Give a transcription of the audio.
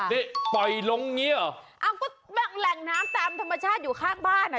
นี่ปล่อยลงอย่างเงี้เหรออ้าวก็แหล่งน้ำตามธรรมชาติอยู่ข้างบ้านอ่ะ